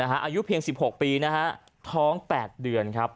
อายุเพียง๑๖ปีนะฮะท้อง๘เดือนครับ